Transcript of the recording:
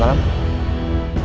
itu bosnya andin